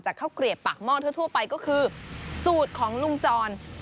ข้าวเกลียบปากหม้อทั่วไปก็คือสูตรของลุงจร